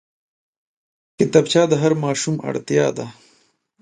کتابچه د هر ماشوم اړتيا ده